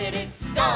ゴー！」